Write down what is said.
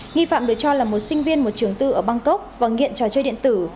nghi phạm được cho là một sinh viên một trường tư ở bangkok và nghiện trò chơi điện tử